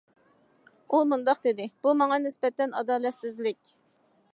ئۇ مۇنداق دېدى: بۇ ماڭا نىسبەتەن ئادالەتسىزلىك.